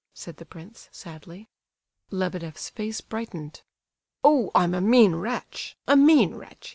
said the prince, sadly. Lebedeff's face brightened. "Oh, I'm a mean wretch—a mean wretch!"